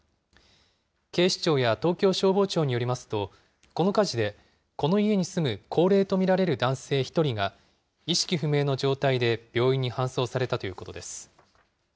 警視庁や東京消防庁によりますと、この火事で、この家に住む高齢と見られる男性１人が、意識不明の状態で病院に搬送されたということです。